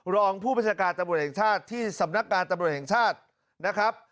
รองผู้ประชาการตำรวจแห่งชาติที่สำนักงานตำรวจแห่งชาตินะครับ